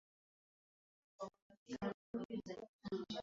mtangazaji mmoja anaweza kuwa na majukumu mawili